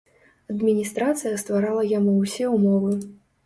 Адміністрацыя стварала яму ўсе ўмовы.